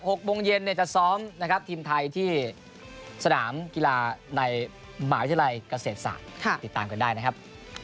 หกโมงเย็นจะซ้อมทีมไทยที่สนามกีฬาในหมาวิทยาลัยเกษตรศาสตร์ติดตามกันได้นะครับ